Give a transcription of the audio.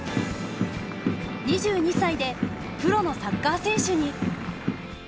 ２２歳でプロのサッカー選手に。